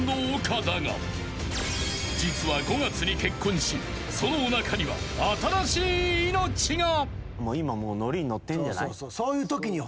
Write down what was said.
［実は５月に結婚しそのおなかには新しい命が］